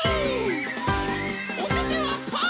おててはパー！